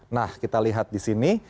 nah kita lihat di sini